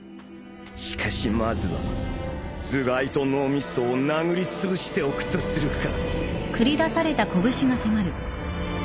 しかしまずは頭蓋と脳みそを殴りつぶしておくとするか